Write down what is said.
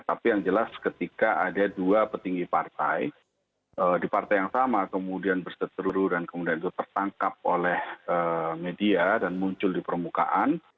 tapi yang jelas ketika ada dua petinggi partai di partai yang sama kemudian berseteru dan kemudian itu tertangkap oleh media dan muncul di permukaan